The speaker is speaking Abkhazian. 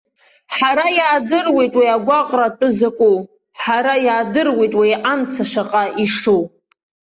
Ҳара иаадыруеит уи агәаҟра атәы закәу, ҳара иаадыруеит уи амца шаҟа ишу!